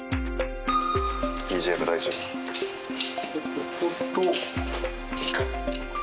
ここと。